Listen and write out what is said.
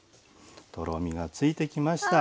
とろみがついてきました。